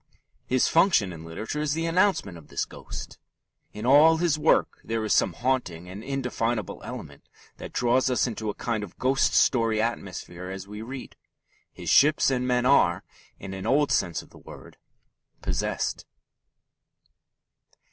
His function in literature is the announcement of this ghost. In all his work there is some haunting and indefinable element that draws us into a kind of ghost story atmosphere as we read. His ships and men are, in an old sense of the word, possessed.